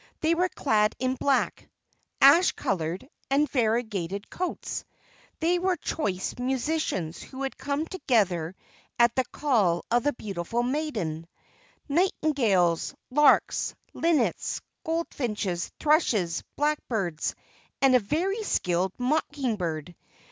They were clad in black, ash coloured, and variegated coats. They were choice musicians who had come together at the call of the beautiful maiden nightingales, larks, linnets, goldfinches, thrushes, blackbirds, and a very skillful mocking bird.